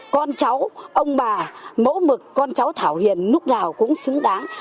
con cháu ông bà mẫu mực con cháu thảo hiền lúc nào cũng xứng đáng